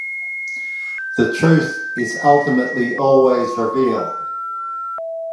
The truth is ultimately always revealed.